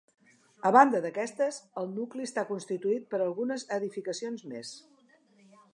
A banda d'aquestes, el nucli està constituït per algunes edificacions més.